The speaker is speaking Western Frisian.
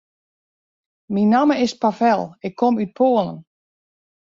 Myn namme is Pavel, ik kom út Poalen.